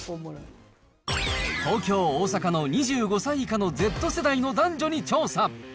東京、大阪の２５歳以下のＺ世代の男女に調査。